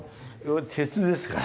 鉄ですから。